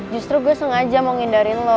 justru gue sengaja mau ngindarin lo